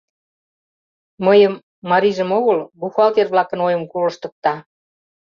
Мыйым, марийжым огыл, бухгалтер-влакын ойым колыштыкта.